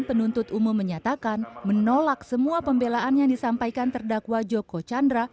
penuntut umum menyatakan menolak semua pembelaan yang disampaikan terdakwa joko chandra